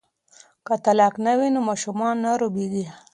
که طلاق نه وي نو ماشوم نه روبیږي.